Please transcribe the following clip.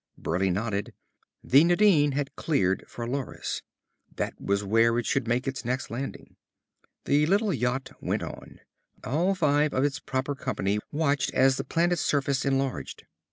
Burleigh nodded. The Nadine had cleared for Loris. That was where it should make its next landing. The little yacht went on. All five of its proper company watched as the planet's surface enlarged.